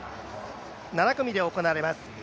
７組で行われます。